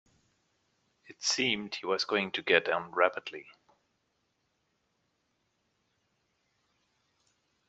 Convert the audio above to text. It seemed he was going to get on rapidly.